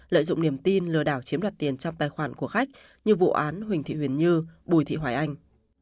lợi dụng niềm tin lừa đảo chiếm đoạt tiền trong tài khoản của khách như vụ án huỳnh thị huyền như bùi thị hoài anh